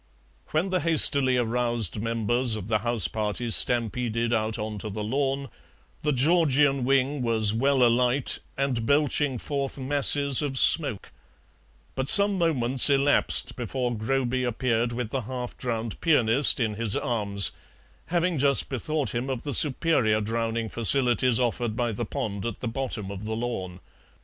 When the hastily aroused members of the house party stampeded out on to the lawn, the Georgian wing was well alight and belching forth masses of smoke, but some moments elapsed before Groby appeared with the half drowned pianist in his arms, having just bethought him of the superior drowning facilities offered by the pond at the bottom of the lawn.